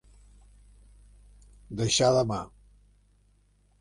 Deixar de mà.